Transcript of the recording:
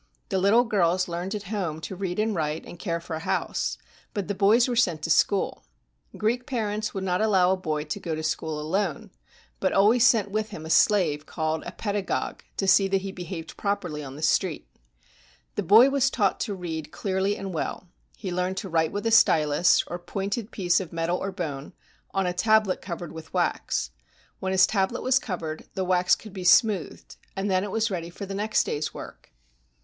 The little girls learned at home to read and write and care for a house; but the boys were sent to school. Greek parents would not allow a boy to go to school alone, but always sent with him a slave called a pedagogue to see that he behaved prop erly on the street. The boy was taught to read clearly and well. He learned to write with a stylus, or pointed piece of metal or bone, on a tablet covered with wax. When his tablet was covered, the wax could be smoothed, and then it was ready for the next day's work.